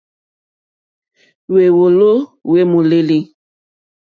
Hwéwòló hwé mòlêlì.